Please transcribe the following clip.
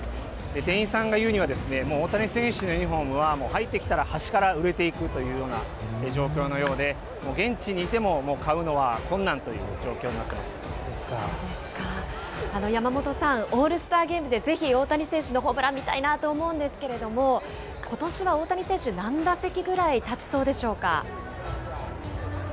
店員さんが言うには、もう大谷選手のユニホームは、入ってきたら端から売れていくというような状況のようで、もう現地にいても、買うのは困難という状況になって山本さん、オールスターゲームでぜひ、大谷選手のホームラン見たいなと思うんですけれども、ことしは大谷選手、何打席ぐらい立ちそうでしょうか。